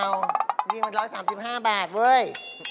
นี่มัน๑๓๕บาทเว้ย